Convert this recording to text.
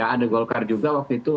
ada golkar juga waktu itu